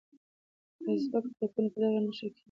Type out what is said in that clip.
ازبک ځواکونه په دغه نښته کې له سختې ماتې سره مخ شول.